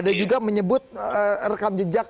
dan juga menyebut rekam jejak